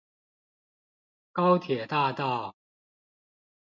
高鐵大道